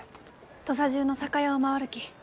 土佐中の酒屋を回るき。